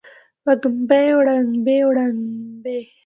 وړومبي وړومبۍ وړومبنۍ